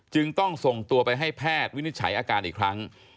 จึงต้องส่งตัวไปให้แพทย์วินิจฉัยอาการอีกครั้ง